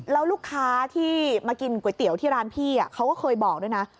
แล้วลูกค้าที่มากินก๋วยเตี๋ยวที่ร้านพี่เขาก็เคยบอกด้วยนะ